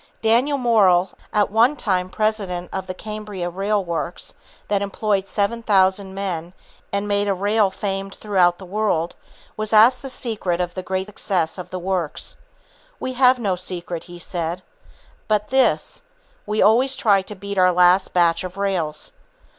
Daniel Morrell, at one time President of the Cambria Rail Works, that employed 7,000 men and made a rail famed throughout the world, was asked the secret of the great success of the works. "We have no secret," he said, "but this, we always try to beat our last batch of rails."